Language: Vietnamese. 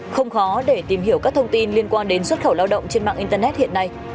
không khó để tìm hiểu các thông tin liên quan đến xuất khẩu lao động trên mạng internet hiện nay